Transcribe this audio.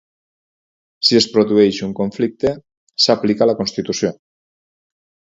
Si es produeix un conflicte, s'aplica la Constitució.